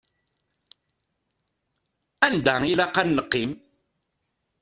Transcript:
Anda ilaq ad neqqim?